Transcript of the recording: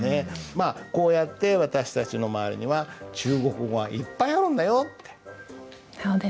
まあこうやって私たちの周りには中国語がいっぱいあるんだよっていう事です。